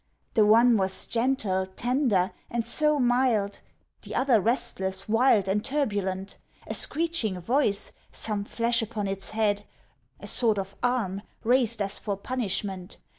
The one was gentle, tender, and so mild; The other restless, wild, and turbulent; A screeching voice, some flesh upon its head, A sort of arm, raised as for punishment.